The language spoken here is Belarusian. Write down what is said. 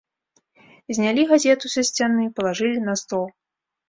Знялі газету са сцяны, палажылі на стол.